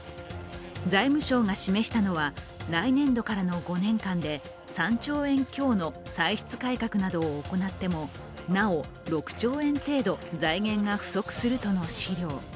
財務省が示したのは来年度からの５年間で３兆円強の歳出改革などを行ってもなお６兆円程度財源が不足するとの資料。